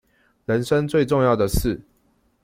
人生最重要的事